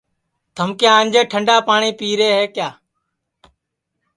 تھم کیا آنجے ٹھنڈا پاٹؔی پیرے ہے کیا